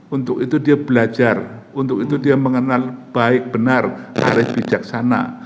untuk itu dia belajar untuk itu dia mengenal baik benar arief bijaksana